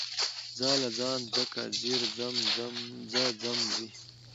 ځاله، ځان، ځکه، ځير، ځه، ځم، ځي